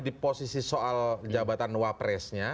di posisi soal jabatan wapres nya